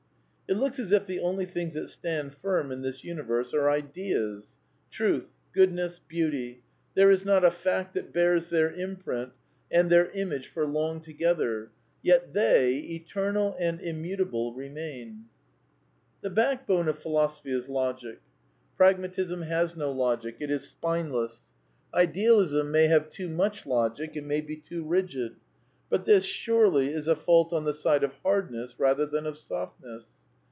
It looks as if the only things that stand firm in this universe are Ideas. Truth, Goodness, Beauty: there is not a ^^fact" that bears their imprint and their image INTKODUCTION xi for long together; yet they, eternal and immutable, re main. \ The backbone of Philosophy is Logic. Pragmatisnk H^ has no logic; it is spineless. Idealism may have too much logic; it may be too rigid. But this, surely, is a fault on the side of hardness rather than of softness.